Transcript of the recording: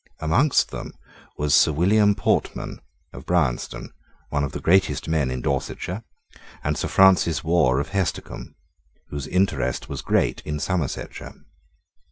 Among them was Sir William Portman of Bryanstone, one of the greatest men in Dorsetshire, and Sir Francis Warre of Hestercombe, whose interest was great in Somersetshire.